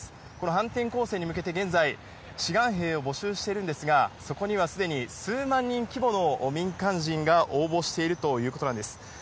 反転攻勢に向けて現在、志願兵を募集しているんですが、そこにはすでに数万人規模の民間人が応募しているということなんです。